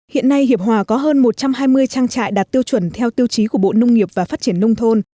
hiện nay hiệp hòa có hơn một trăm hai mươi trang trại đạt tiêu chuẩn theo tiêu chí của bộ nông nghiệp và phát triển nông thôn